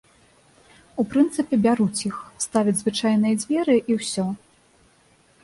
У прынцыпе, бяруць іх, ставяць звычайныя дзверы, і ўсё!